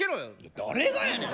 誰がやねん！